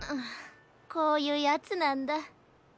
こういうやつなんだ。